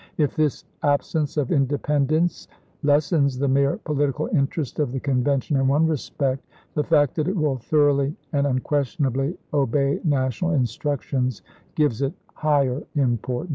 If this absence of independence lessens the mere political interest of the Convention in one respect, the fact that it will thoroughly and un questionably obey national instructions gives it higher importance."